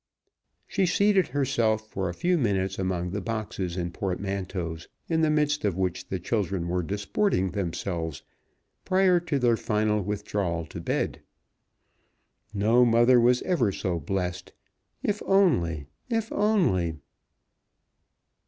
She seated herself for a few minutes among the boxes and portmanteaus in the midst of which the children were disporting themselves prior to their final withdrawal to bed. No mother was ever so blessed, if only, if only!